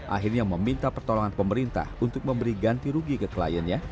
akhirnya meminta pertolongan pemerintah untuk memberi ganti rugi ke kliennya